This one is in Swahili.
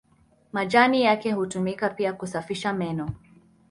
Majani yake hutumika pia kusafisha meno.